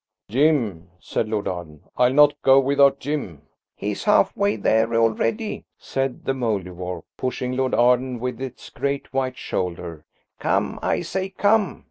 "Jim!" said Lord Arden. "I'll not go without Jim!" "He's half way there already," said the Mouldiwarp, pushing Lord Arden with its great white shoulder. "Come, I say, come!"